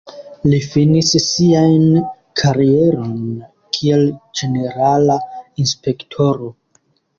Li finis sian karieron kiel ĝenerala inspektoro.